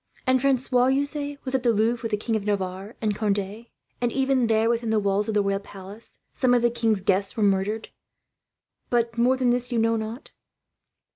"And Francois, you say, was at the Louvre with the King of Navarre and Conde; and even there, within the walls of the royal palace, some of the king's guests were murdered; but more than this you know not?"